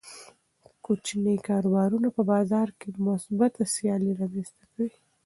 کوچني کاروبارونه په بازار کې مثبته سیالي رامنځته کوي.